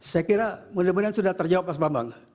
saya kira mudah mudahan sudah terjawab mas bambang